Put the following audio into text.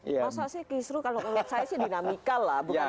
masasih kisruh kalau menurut saya sih dinamikal lah bukan kisruh lah